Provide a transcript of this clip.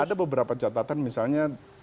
ada beberapa catatan misalnya